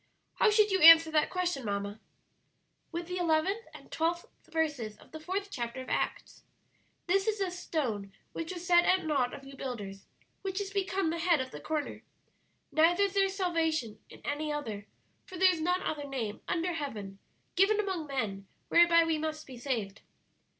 How should you answer that question, mamma?" "With the eleventh and twelfth verses of the fourth chapter of Acts: 'This is the stone which was set at naught of you builders, which is become the head of the corner. Neither is there salvation in any other; for there is none other name under heaven given among men, whereby we must be saved.'